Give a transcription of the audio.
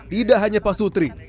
tidak hanya pak sutri